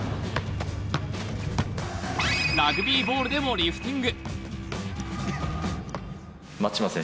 ラグビーボールでもリフティング。